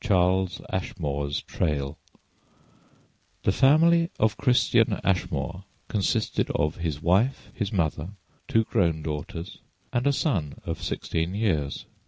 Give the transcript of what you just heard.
CHARLES ASHMORE'S TRAIL THE family of Christian Ashmore consisted of his wife, his mother, two grown daughters, and a son of sixteen years.